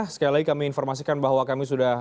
sekali lagi kami informasikan bahwa kami sudah